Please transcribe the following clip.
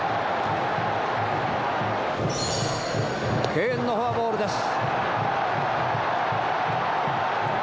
敬遠のフォアボールです。